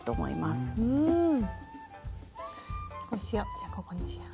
じゃあここにしよう。